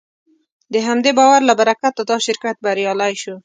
د همدې باور له برکته دا شرکت بریالی شو.